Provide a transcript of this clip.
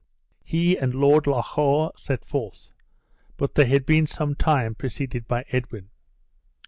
He and Lord Loch awe set forth; but they had been some time preceded by Edwin.